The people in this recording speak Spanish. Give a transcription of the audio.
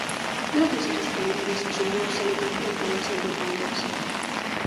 Gracias a sus cualidades y su valor se le confían tareas importantes.